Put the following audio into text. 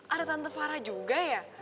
ada tante fara juga ya